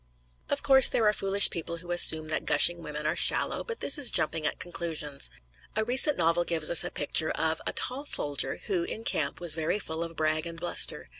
Of course there are foolish people who assume that gushing women are shallow, but this is jumping at conclusions. A recent novel gives us a picture of "a tall soldier," who, in camp, was very full of brag and bluster.